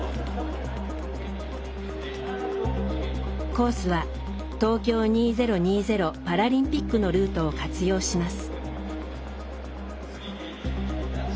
コースは東京２０２０パラリンピックのルートを活用します。